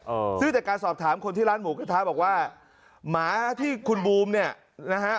เออซึ่งจากการสอบถามคนที่ร้านหมูกระทะบอกว่าหมาที่คุณบูมเนี่ยนะฮะ